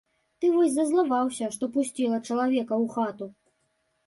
Ты вось зазлаваўся, што пусціла чалавека ў хату.